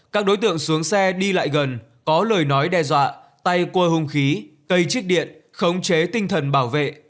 các đối tượng xuống xe đi lại gần có lời nói đe dọa tay cua hung khí cây trích điện khống chế tinh thần bảo vệ